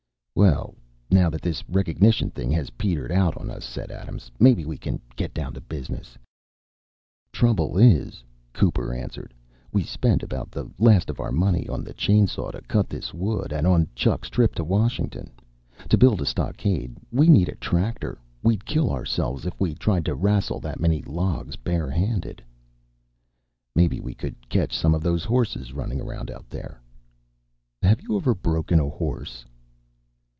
"Well, now that this recognition thing has petered out on us," said Adams, "maybe we can get down to business." "Trouble is," Cooper answered, "we spent about the last of our money on the chain saw to cut this wood and on Chuck's trip to Washington. To build a stockade, we need a tractor. We'd kill ourselves if we tried to rassle that many logs bare handed." "Maybe we could catch some of those horses running around out there." "Have you ever broken a horse?"